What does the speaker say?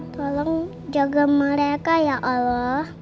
tolong jaga mereka ya allah